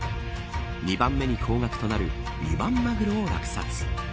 ２番目に高額となる２番マグロを落札。